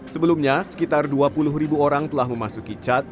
sebelumnya sekitar dua puluh ribu orang telah memasuki cat